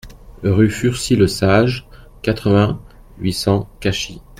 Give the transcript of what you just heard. Rue Fursy Lesage, quatre-vingts, huit cents Cachy